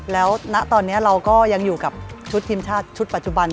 แล้วณตอนนี้เราก็ยังอยู่กับชุดทีมชาติชุดปัจจุบัน